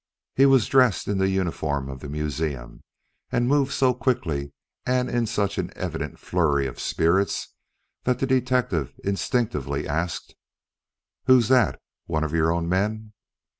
He was dressed in the uniform of the museum, and moved so quickly and in such an evident flurry of spirits that the detective instinctively asked: "Who's that? One of your own men?"